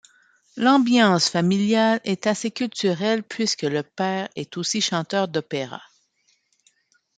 L’ambiance familiale est assez culturelle puisque le père est aussi chanteur d’opéra.